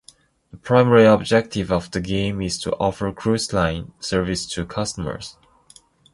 The primary objective of the game is to offer cruise line services to customers.